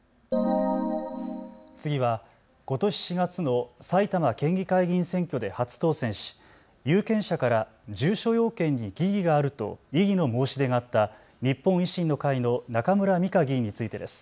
次はことし４月の埼玉県議会議員選挙で初当選し有権者から住所要件に疑義があると異議の申し出があった日本維新の会の中村美香議員についてです。